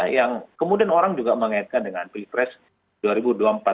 yang kemudian orang juga mengaitkan dengan pilpres dua ribu dua puluh empat